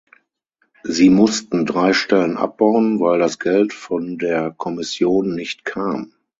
Sie mussten drei Stellen abbauen, weil das Geld von der Kommission nicht kam.